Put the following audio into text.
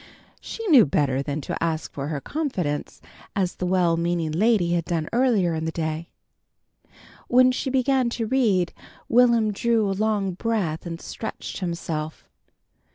She knew better than to ask for her confidence as the well meaning lady had done earlier in the day. When she began to read, Will'm drew a long breath and stretched himself.